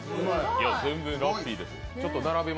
全然ラッピーですよ。